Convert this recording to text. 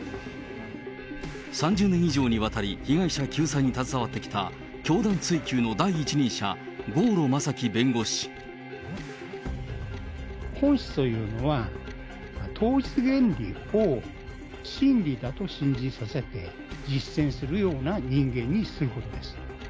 ３０年以上にわたり被害者救済に携わってきた教団追及の第一人者、本質というのは、統一原理を真理だと信じさせて、実践するような人間にすることです。